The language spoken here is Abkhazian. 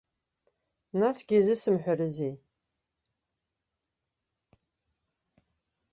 Насгьы изысымҳәарызеи!